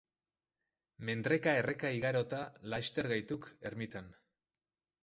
Mendreka erreka igarota laster gaituk ermitan.